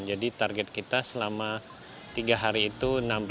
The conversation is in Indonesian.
jadi target kita selama tiga hari itu enam